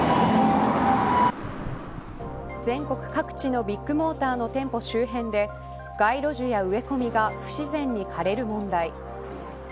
全国各地のビッグモーターの店舗周辺で街路樹や植え込みが不自然に枯れる問題。